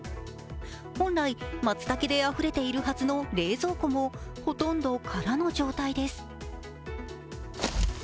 本来、まつたけであふれているはずの冷蔵庫もほとんど空の状態です。